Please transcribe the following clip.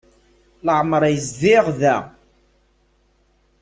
Leɛmer yezdiɣ da.